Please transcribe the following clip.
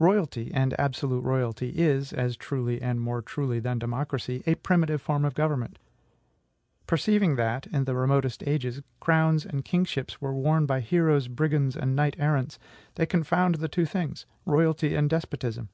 Royalty, and absolute royalty, is as truly and more truly than democracy a primitive form of government. Perceiving that, in the remotest ages, crowns and kingships were worn by heroes, brigands, and knight errants, they confound the two things, royalty and despotism.